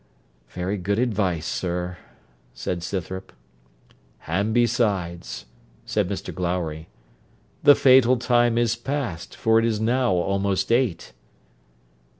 'Very good advice, sir,' said Scythrop. 'And, besides,' said Mr Glowry, 'the fatal time is past, for it is now almost eight.'